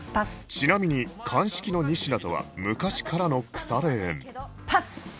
ちなみに鑑識の仁科とは昔からの腐れ縁パス！